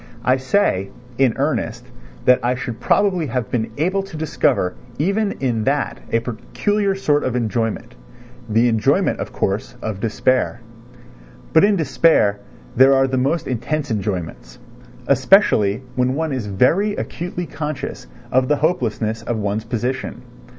I say, in earnest, that I should probably have been able to discover even in that a peculiar sort of enjoyment—the enjoyment, of course, of despair; but in despair there are the most intense enjoyments, especially when one is very acutely conscious of the hopelessness of one's position.